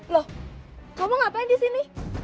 loh kamu ngapain disini